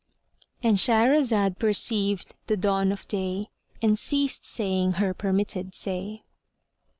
——And Shahrazad perceived the dawn of day and ceased saying her permitted say.